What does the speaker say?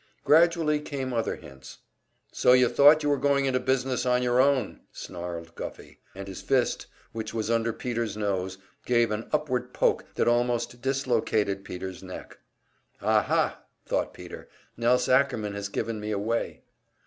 Gradually came other hints. "So you thought you were going into business on your own!" snarled Guffey, and his fist, which was under Peter's nose, gave an upward poke that almost dislocated Peter's neck. "Aha!" thought Peter. "Nelse Ackerman has given me away!"